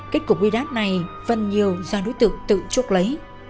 kết cục uy đát này phân nhiều do đối tượng tự chuốc lấy